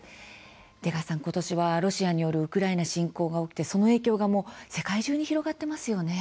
出川さん、今年はロシアによるウクライナ侵攻が起きてその影響が世界中に広がっていますよね。